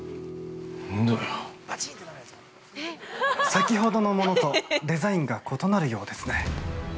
◆先ほどのものとデザインが異なるようですね。